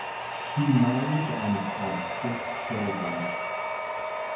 He married and had six children.